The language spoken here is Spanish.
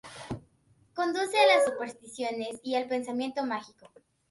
Conduce a las supersticiones y al pensamiento mágico.